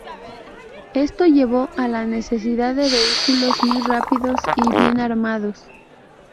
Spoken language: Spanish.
Esto llevó a la necesidad de vehículos muy rápidos y bien armados.